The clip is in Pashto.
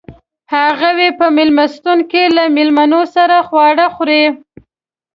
هغوئ په میلمستون کې له میلمنو سره خواړه خوري.